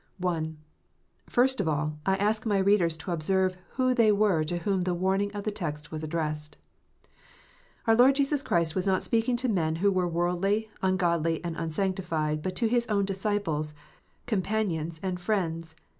I. First of all, I ask my readers to observe icho they were to whom the learning of the text ivas addressed. Our Lord Jesus Christ was not speaking to men who were worldly, ungodly, and unsanctified, but to His own disciples, companions, and friends.